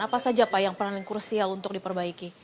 apa saja pak yang paling krusial untuk diperbaiki